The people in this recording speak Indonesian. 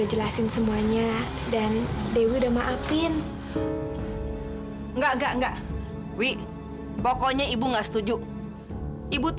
jelasin semuanya dan dewi udah maafin enggak enggak wi pokoknya ibu enggak setuju ibu tuh